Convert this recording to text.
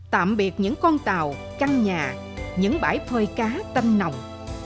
tạm biệt những con tàu căn nhà những bãi phơi cá tâm nồng